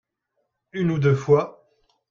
Une ou deux fois.